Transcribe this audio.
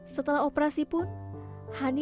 setelah operasi pun